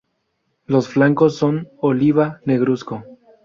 Los flancos son oliva negruzco.